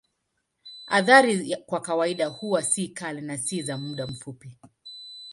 Athari kwa kawaida huwa si kali na ni za muda mfupi.